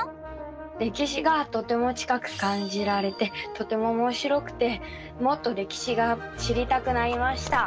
歴史がとても近く感じられてとてもおもしろくてもっと歴史が知りたくなりました。